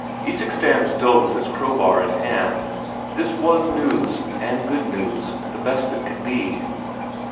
Isak stands still with his crowbar in hand; this was news, and good news, the best that could be.